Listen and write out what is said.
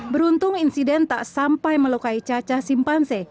beruntung insiden tak sampai melukai caca simpanse